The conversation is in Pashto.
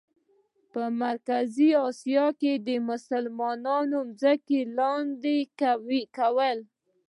په مرکزي آسیا کې یې د مسلمانانو ځمکې لاندې کولې.